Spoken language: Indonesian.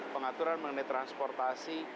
pengaturan mengenai transportasi